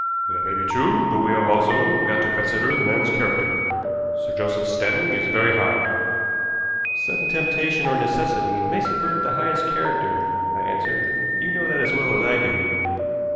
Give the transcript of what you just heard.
"That may be true, but we have also got to consider the man's character. Sir Joseph's standing is very high." "Sudden temptation or necessity may subvert the highest character," I answered. "You know that as well as I do.